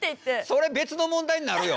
それ別の問題になるよ。